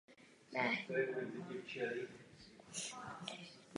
Bývá však pěstován i jako pokojová rostlina.